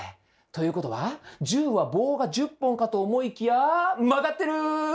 ということは１０は棒が１０本かと思いきや曲がってる！